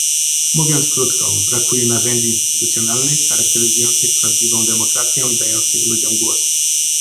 Mówiąc krótko, brakuje narzędzi instytucjonalnych charakteryzujących prawdziwą demokrację i dających ludziom głos